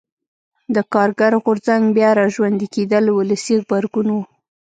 د کارګر غورځنګ بیا را ژوندي کېدل ولسي غبرګون و.